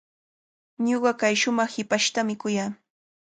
Ñuqa kay shumaq hipashtami kuyaa.